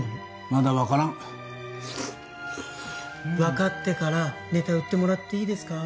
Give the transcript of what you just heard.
まだ分からん分かってからネタ売ってもらっていいですか？